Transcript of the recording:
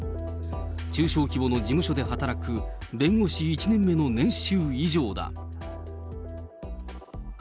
中小規模の事務所で働く弁護士１年目の年収以上だ。